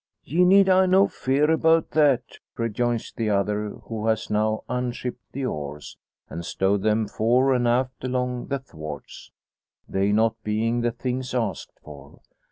"Ye need ha' no fear 'bout that," rejoins the other, who has now unshipped the oars, and stowed them fore and aft along the thwarts, they not being the things asked for.